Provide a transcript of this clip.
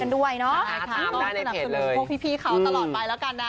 อร่อยจริงตามได้ในเพจเลยคุณผู้ชมพบพี่เขาตลอดไปแล้วกันนะ